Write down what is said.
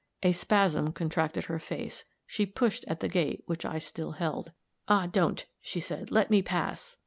A spasm contracted her face; she pushed at the gate which I still held. "Ah, don't," she said; "let me pass."